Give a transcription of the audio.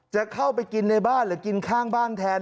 จะเข้าไปกินในบ้านหรือกินข้างบ้านแทน